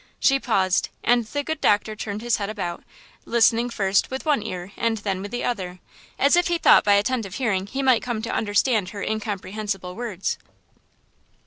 She paused, and the good doctor turned his head about, listening first with one ear and then with the other, as if he thought by attentive hearing he might come to understand her incomprehensible words.